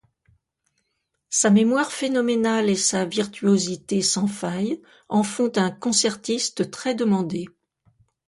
Sa mémoire phénoménale et sa virtuosité sans failles en font un concertiste très demandé.